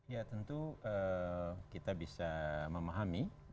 ya tentu kita bisa memahami